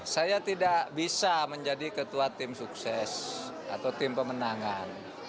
saya tidak bisa menjadi ketua tim sukses atau tim pemenangan